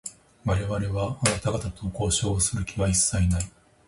我々は、あなた方と交渉をする気は一切ない。